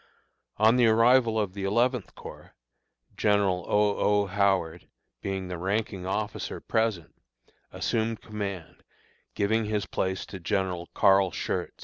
On the arrival of the Eleventh Corps, General O. O. Howard, being the ranking officer present, assumed command, giving his place to General Carl Schurz.